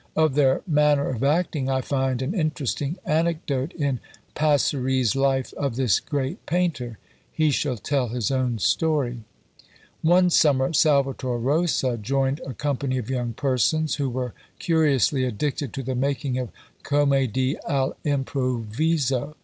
Of their manner of acting I find an interesting anecdote in Passeri's life of this great painter; he shall tell his own story. "One summer Salvator Rosa joined a company of young persons who were curiously addicted to the making of commedie all' improviso.